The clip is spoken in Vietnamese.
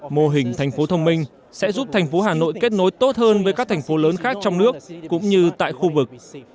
mô hình thành phố thông minh sẽ giúp thành phố hà nội kết nối tốt hơn với các thành phố lớn khác trong nước cũng như tại khu vực